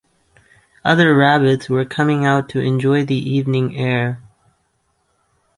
Other rabbits were coming out to enjoy the evening air.